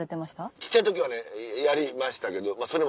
小っちゃい時はねやりましたけどそれも。